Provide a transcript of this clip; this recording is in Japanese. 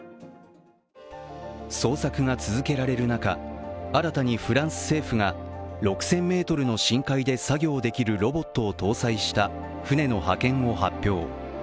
捜索が続けられる中、新たにフランス政府が６０００ｍの深海で作業できるロボットを搭載した船の派遣を発表。